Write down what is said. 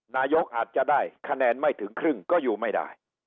นายกอาจจะได้คะแนนไม่ถึงครึ่งก็อยู่ไม่ได้